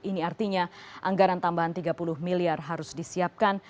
ini artinya anggaran tambahan tiga puluh miliar harus disiapkan